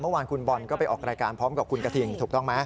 เมื่อวานคุณบอลก็ไปออกรายการพร้อมกับคุณกระทิงถูกต้องไหม